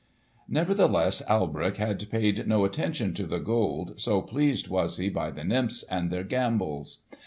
Nevertheless Alberich had paid no attention to the Gold, so pleased was he by the nymphs and their gambols.